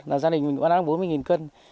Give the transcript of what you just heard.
là gia đình mình cũng đang bốn mươi cân